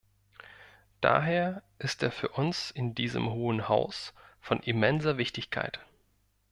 Daher ist er für uns in diesem Hohen Haus von immenser Wichtigkeit.